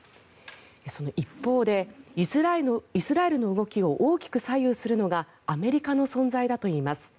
その一方でイスラエルの動きを大きく左右するのがアメリカの存在だといいます。